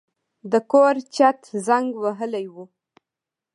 د کور چت زنګ وهلی و.